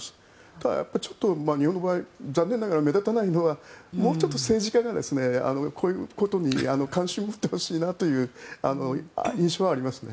ただちょっと日本の場合残念ながら目立たないのはもうちょっと政治家がこういうことに関心を持ってほしいなという印象はありますね。